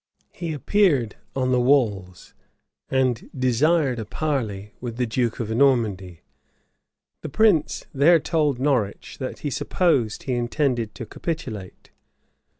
He appeared on the walls, and desired a parley with the duke of Normandy. The prince there told Norwich, that he supposed he intended to capitulate.